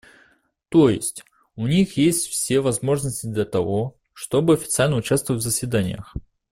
То есть, у них есть все возможности для того, чтобы официально участвовать в заседаниях.